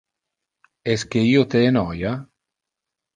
Esque io te enoia?